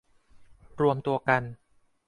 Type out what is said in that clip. รวมตัวกัน